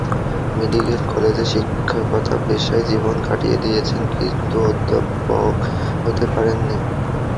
Medical কলেজে শিক্ষকতা পেশায় জীবন কাটিয়ে দিয়েছেন, কিন্তু অধ্যাপক হতে পারেননি।